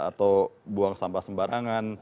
atau buang sampah sembarangan